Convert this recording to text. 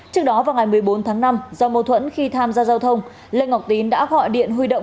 trước đó vào ngày một mươi bốn tháng năm do mâu thuẫn khi tham gia giao thông lê ngọc tín đã gọi điện huy động